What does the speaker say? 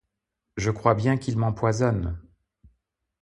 Je crois bien qu'il m'empoisonne!